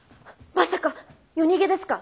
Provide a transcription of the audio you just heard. まさか夜逃げですか？